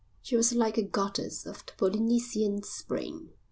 She was like a goddess of the Polynesian spring.